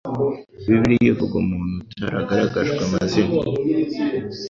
Bibiliya ivuga umuntu utaragaragajwe amazina